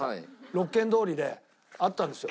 六間通りであったんですよ。